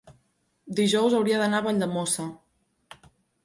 Dijous hauria d'anar a Valldemossa.